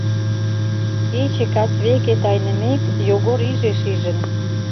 Кече кас веке тайнымек, Йогор иже шижын.